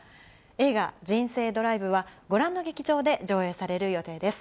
映画、人生ドライブは、ご覧の劇場で上映される予定です。